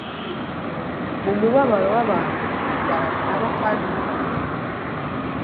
mu mubabaro w’abantu, ababarana nabo kandi abagirira impuhwe,